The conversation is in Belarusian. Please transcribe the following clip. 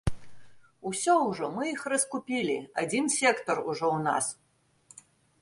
Усё ўжо, мы іх раскупілі, адзін сектар ужо ў нас!